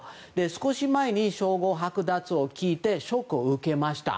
少し前に、称号剥奪を聞いてショックを受けました